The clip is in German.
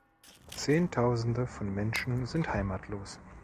Zehntausende von Menschen sind heimatlos.